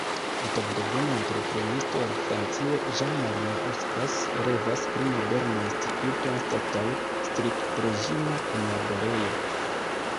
Litovdevena entreprenisto el Francio, Jean Malinauskas, revas pri moderna instituto anstataŭ striktreĝima punlaborejo.